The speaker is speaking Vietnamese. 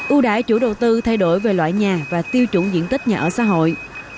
ưu đại chủ đầu tư thay đổi về loại nhà và tiêu chủng diện tích nhà ở xã hội